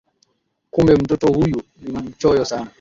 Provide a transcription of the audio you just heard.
Kumbe mtoto huyu ni mchoyo sana